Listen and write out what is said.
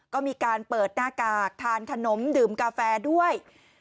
ก็มีการเปิดหน้ากากทานขนมดื่มกาแฟด้วย